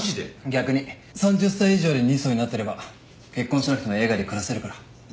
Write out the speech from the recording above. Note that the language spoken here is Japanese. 逆に３０歳以上で２曹になってれば結婚してなくても営外で暮らせるから。